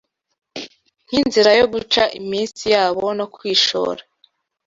nkinzira yo guca iminsi yabo no kwishora